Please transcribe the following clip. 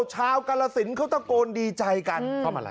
ชาวกรรสินเขาต้องโกนดีใจกัน